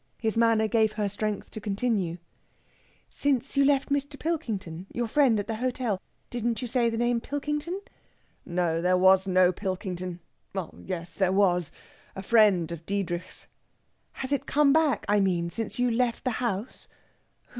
His manner gave her strength to continue. "Since you left Mr. Pilkington your friend at the hotel didn't you say the name Pilkington?" "No there was no Pilkington! Oh yes, there was! a friend of Diedrich's...." "Has it come back, I mean, since you left the house?